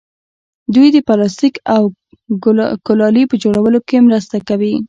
دوی د پلاستیک او ګلالي په جوړولو کې مرسته کوي.